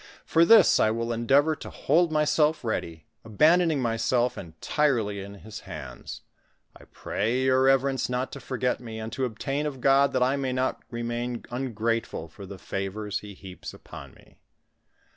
For this I will endeavor to hold myself ready, abandoning myself en tirely in his hands. I pray your reverence not to forget me, and to obtain of God, that I may not remain ungrateful for the favors he heaps upon me."